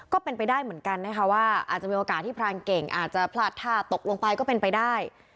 ก็เป็นไปได้เหมือนกันนะคะว่าอาจจะมีโอกาสที่พรานเก่งอาจจะพลาดท่าตกลงไปก็เป็นไปได้